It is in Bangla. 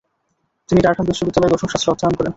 তিনি ডারহাম বিশ্ববিদ্যালয়ে দর্শনশাস্ত্র অধ্যয়ন করেন।